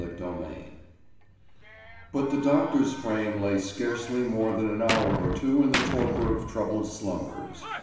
CHAPTER V But the doctor's frame lay scarcely more than an hour or two in the torpor of troubled slumbers.